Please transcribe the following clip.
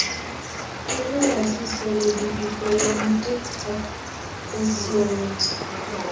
Kinai Asisi kole bitu kewelutik ak esioet